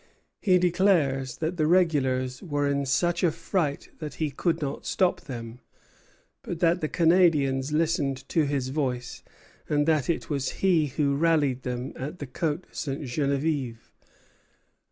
He declares that the regulars were in such a fright that he could not stop them; but that the Canadians listened to his voice, and that it was he who rallied them at the Côte Ste. Geneviève.